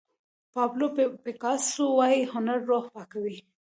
پابلو پیکاسو وایي هنر روح پاکوي.